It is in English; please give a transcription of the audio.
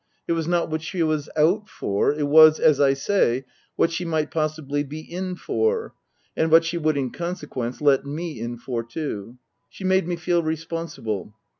It was not what she was out for, it was, as I say, what she might possibly be in for ; and what she would, in consequence, let me in for too. She made me feel responsible.